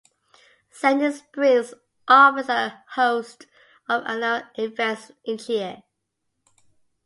Sandy Springs offers a host of annual events each year.